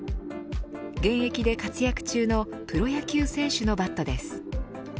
現役で活躍中のプロ野球選手のバットです。